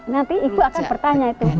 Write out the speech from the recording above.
nanti ibu akan bertanya itu